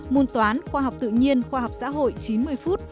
môn toán khoa học tự nhiên khoa học xã hội chín mươi phút